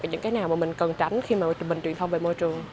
những cái nào mà mình cần tránh khi mà mình truyền thông về môi trường